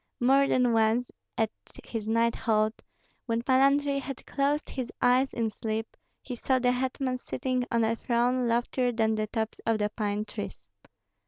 More than once, at his night halt, when Pan Andrei had closed his eyes in sleep, he saw the hetman sitting on a throne loftier than the tops of the pine trees.